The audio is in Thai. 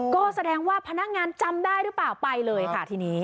ก็แสดงว่าพนักงานจำได้หรือเปล่าไปเลยค่ะทีนี้